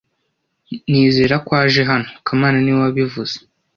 Nizera ko aje hano kamana niwe wabivuze